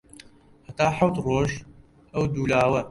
هەتا حەوت ڕۆژ ئەو دوو لاوە